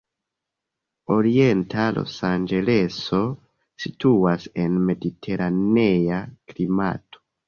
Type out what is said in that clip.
Orienta Losanĝeleso situas en mediteranea klimato.